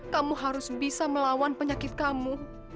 kamu harus bisa melawan penyakit kamu